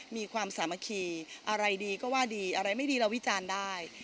มีความสามัคคีอะไรดีก็ว่าดีอะไรไม่ดีเราวิจารณ์ได้